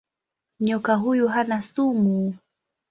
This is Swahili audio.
Nyoka huyu hana sumu.